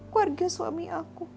keluarga suami aku